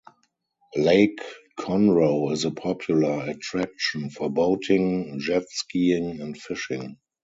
Lake Conroe is a popular attraction for boating, jet-skiing, and fishing.